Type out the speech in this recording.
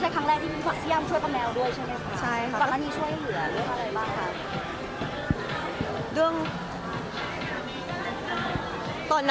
ก็เลยบอกเอ่อแล้วหนูขอช่วยก่อนนะ